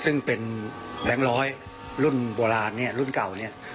ซึ่งเป็นแบงก์๑๐๐รุ่นเวลานี้รุ่นเก่านี้